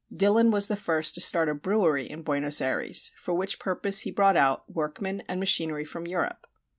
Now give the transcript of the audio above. Dillon was the first to start a brewery in Buenos Ayres, for which purpose he brought out workmen and machinery from Europe.